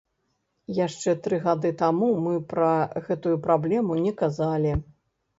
Яшчэ тры гады таму мы пра гэтую праблему не казалі.